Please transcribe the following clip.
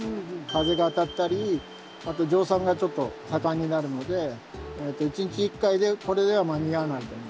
風が当たったりあと蒸散がちょっと盛んになるので１日１回でこれでは間に合わない。